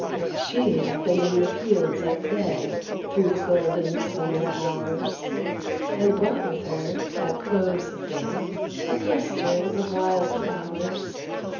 She had been in the fields at play Through golden summer hours, And brought with her, at close of day, A cluster of wild flowers.